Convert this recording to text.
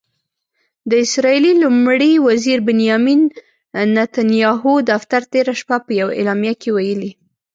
د اسرائیلي لومړي وزیر بنیامن نتنیاهو دفتر تېره شپه په یوه اعلامیه کې ویلي